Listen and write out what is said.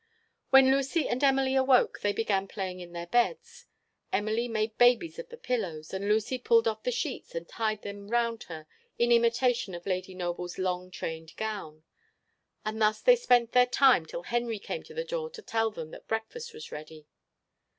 When Lucy and Emily awoke, they began playing in their beds. Emily made babies of the pillows, and Lucy pulled off the sheets and tied them round her, in imitation of Lady Noble's long trained gown; and thus they spent their time till Henry came to the door to tell them that breakfast was ready.